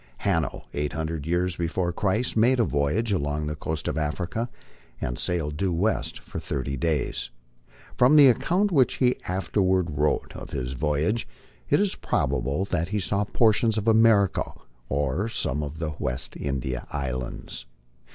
Hanno, eight hundred years before Christ, made a voyage along the coast of Africa, and sailed due west for thirty days. From the account which he afterward wrote of his voyage, it is probable that he saw portions of America or some of the West India islands.